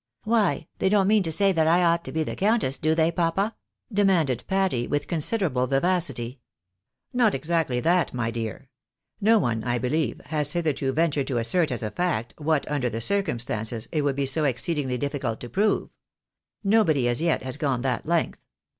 " Why, they don't mean to say that I ought to be the countess, do they, papa ?" demanded Patty, with considerable vivacity. " Not exactly that, my dear. No one, I beUeve, has hitherto ventured to assert as a fact, what, under the circumstances, it would be so exceedingly difficult to prove. Nobody, as yet, has gone that length.